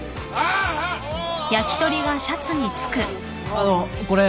あのこれ。